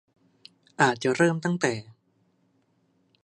อาจจะเริ่มตั้งแต่